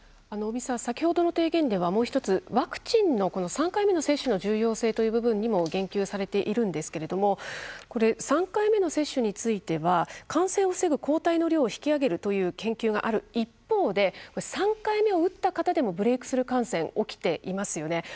先ほどの提言ではもう１つワクチンの３回目の接種の重要性という部分にも言及されているんですけども３回目の接種に対しては感染を防ぐ抗体の量を引き上げるという研究がある一方で３回目を打った方でもブレイクスルー感染起きていますよね。